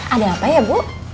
ada apa ya bu